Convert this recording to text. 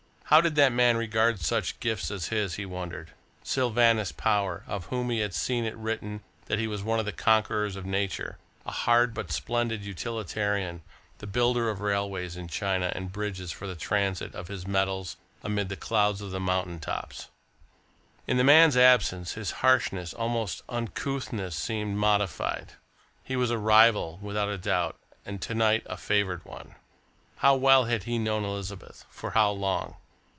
How did that man regard such gifts as his, he wondered? Sylvanus Power, of whom he had seen it written that he was one of the conquerors of nature, a hard but splendid utilitarian, the builder of railways in China and bridges for the transit of his metals amid the clouds of the mountain tops. In the man's absence, his harshness, almost uncouthness, seemed modified. He was a rival, without a doubt, and to night a favoured one. How well had he known Elizabeth? For how long?